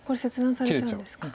これ切断されちゃうんですか。